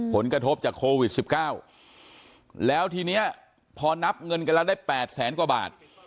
ผลกระทบจากโควิด๑๙แล้วทีนี้พอนับเงินกันแล้วได้๘แสนกว่าบาท